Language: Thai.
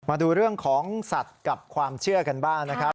มาดูเรื่องของสัตว์กับความเชื่อกันบ้างนะครับ